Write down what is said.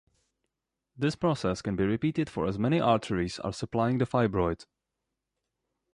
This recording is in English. This process can be repeated for as many arteries as are supplying the fibroid.